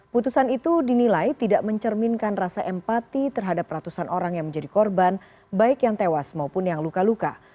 putusan itu dinilai tidak mencerminkan rasa empati terhadap ratusan orang yang menjadi korban baik yang tewas maupun yang luka luka